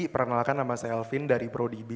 pernah nalakan nama saya elvin dari prodb